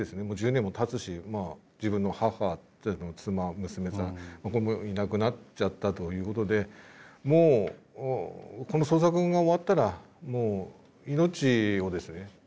もう１０年もたつし自分の母と妻娘さんいなくなっちゃったということでもうこの捜索が終わったらもう命をですね